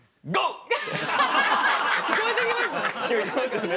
聞こえてきました。